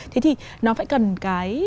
thế thì nó phải cần cái